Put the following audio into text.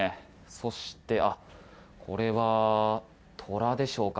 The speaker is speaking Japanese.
そして、これは虎でしょうか。